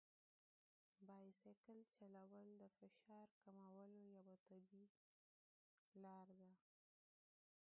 بایسکل چلول د فشار کمولو یوه طبیعي لار ده.